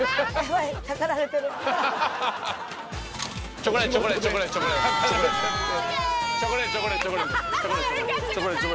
チョコレートチョコレートチョコレートチョコレート。